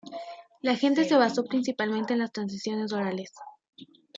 La gente se basó principalmente en las tradiciones orales.